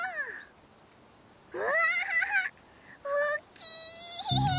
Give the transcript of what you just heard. うわおっきい！